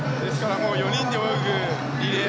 ４人で泳ぐリレー